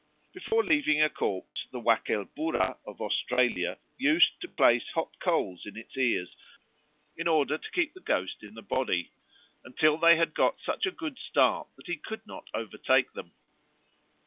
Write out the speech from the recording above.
Before leaving a corpse the Wakelbura of Australia used to place hot coals in its ears in order to keep the ghost in the body, until they had got such a good start that he could not overtake them.